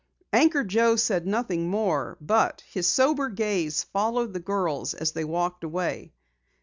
Anchor Joe said nothing more, but his sober gaze followed the girls as they walked away.